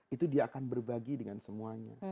itu dia akan berbagi dengan semuanya